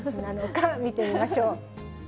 見てみましょう。